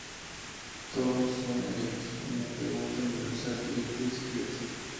Todos son electos mediante voto universal, directo y secreto.